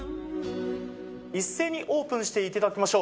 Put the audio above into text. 一斉にオープンしていただきましょう。